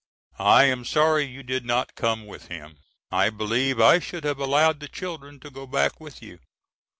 I am sorry you did not come with him. I believe I should have allowed the children to go back with you.